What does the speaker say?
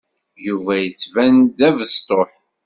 Yuba yettban-d d abesṭuḥ.